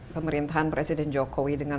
pemerintahan presiden jokowi dengan